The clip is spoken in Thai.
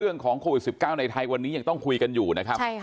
เรื่องของโควิด๑๙ในไทยวันนี้ยังต้องคุยกันอยู่นะครับ